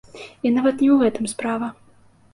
І нават не ў гэтым справа.